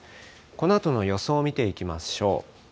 このあとの予想を見ていきましょう。